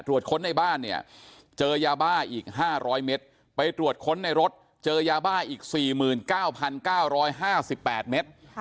ค้นในบ้านเนี่ยเจอยาบ้าอีก๕๐๐เมตรไปตรวจค้นในรถเจอยาบ้าอีก๔๙๙๕๘เมตร